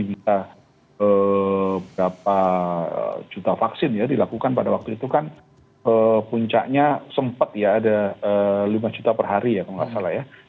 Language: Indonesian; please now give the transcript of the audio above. bisa berapa juta vaksin ya dilakukan pada waktu itu kan puncaknya sempat ya ada lima juta per hari ya kalau nggak salah ya